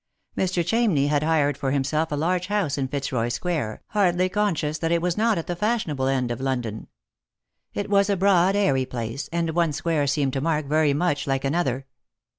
Mr. Chamney had hired for himself a large house in Fitzroy square, hardly conscious that it was not at the fashionable end of London. It was a broad airy place, and one square seemed to Mark very much like another.